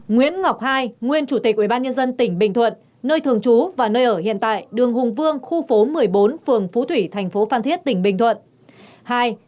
bốn nguyễn ngọc hai nguyên chủ tịch ubnd tỉnh bình thuận nơi thường trú và nơi ở hiện tại đường hùng vương khu phố một mươi bốn phường phú thủy thành phố phan thiết tỉnh bình thuận